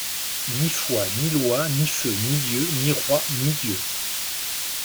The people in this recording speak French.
Ni foi, ni loi, Ni feu, ni lieu, Ni roi, Ni Dieu!